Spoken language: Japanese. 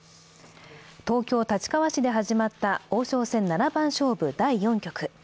東京・立川市で始まった王将戦七番勝負第４局。